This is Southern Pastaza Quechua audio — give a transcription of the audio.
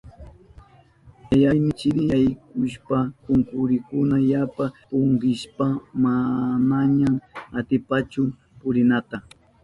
Yayayni chiri yaykushpan kunkurinkuna yapa punkishpan manaña atipanchu purinata.